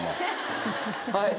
はい。